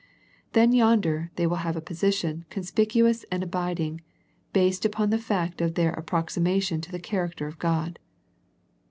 Then yonder they will have a position con spicuous and abiding, based upon the fact of their approximation to the character of God.